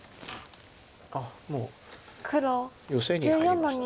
あっもうヨセに入りました。